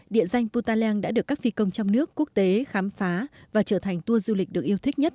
địa danh putaleng đã được các phi công trong nước quốc tế khám phá và trở thành tour du lịch được yêu thích nhất